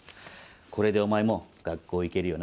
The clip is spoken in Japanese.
これでお前も学校行けるよな？